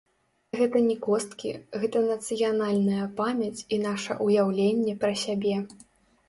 Гэта не косткі, гэта нацыянальная памяць і наша ўяўленне пра сябе.